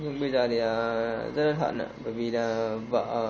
nhưng bây giờ thì rất hận